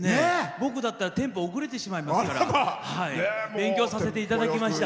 僕だったらテンポ遅れてしまいますから勉強させていただきました。